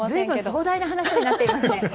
壮大な話になっていますね。